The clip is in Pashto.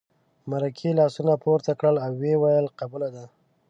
مرکې لاسونه پورته کړل او ویې ویل قبوله ده.